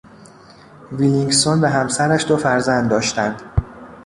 ویلینکسون و همسرش دو فرزند داشتند.